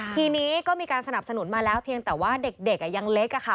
ทีนี้ก็มีการสนับสนุนมาแล้วเพียงแต่ว่าเด็กยังเล็กค่ะ